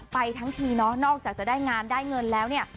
ไปทั้งทีเนาะนอกจากจะได้งานได้เงินแล้วเนี่ย